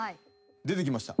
出てきました。